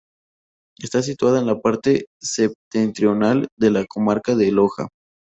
Está situada en la parte septentrional de la comarca de Loja.